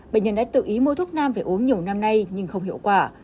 bệnh nhân đã tự ý mua thuốc nam phải uống nhiều năm nay nhưng không hiệu quả